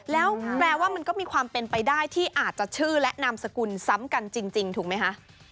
แล้วแปลว่ามันก็มีความเป็นไปได้ที่อาจจะชื่อและนามสกุลซ้ำกันจริงถูกไหมคะ